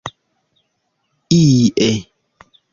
ie